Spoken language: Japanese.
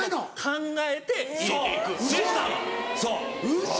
ウソ！